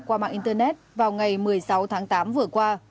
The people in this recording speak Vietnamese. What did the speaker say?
qua mạng internet vào ngày một mươi sáu tháng tám vừa qua